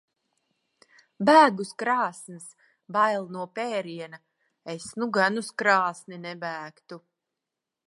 Bēg uz krāsns. Bail no pēriena. Es nu gan uz krāsni nebēgtu.